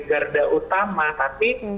garda utama tapi